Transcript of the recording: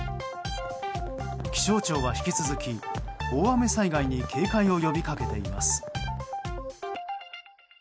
気象庁は引き続き大雨災害に警戒を呼びかけています。